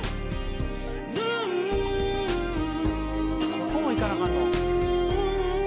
ここもいかなあかんの？